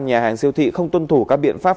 nhà hàng siêu thị không tuân thủ các biện pháp